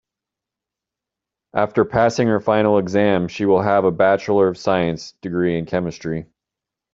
After passing her final exam she will have a bachelor of science degree in chemistry.